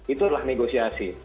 itu adalah negosiasi